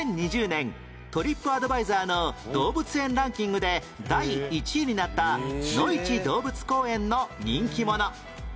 ２０２０年トリップアドバイザーの動物園ランキングで第１位になったのいち動物公園の人気者